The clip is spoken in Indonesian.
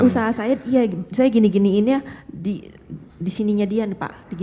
usaha saya gini giniinnya di sininya dia nih pak